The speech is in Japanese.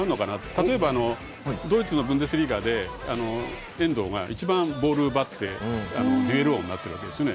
例えばドイツのブンデスリーガで遠藤が一番、ボールを奪ってデュエル王になっているわけですよね。